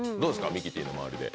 ミキティーの周りで。